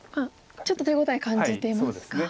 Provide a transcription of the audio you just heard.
ちょっと手応え感じていますか。